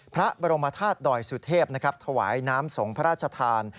พระบรมธาตุดอยสุเทพฯถวายน้ำส่งพระราชทาน